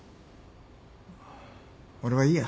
俺はいいや。